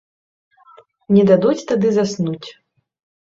Не дадуць тады заснуць.